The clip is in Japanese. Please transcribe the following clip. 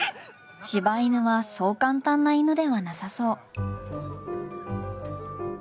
柴犬はそう簡単な犬ではなさそう。